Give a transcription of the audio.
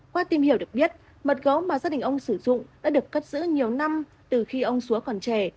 qua tìm hiểu được biết mật gấu mà gia đình ông sử dụng đã được cất giữ nhiều năm từ khi ông xúa còn trẻ